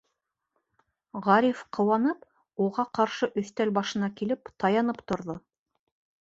Ғариф ҡыуанып, уға ҡаршы өҫтәл башына килеп таянып торҙо.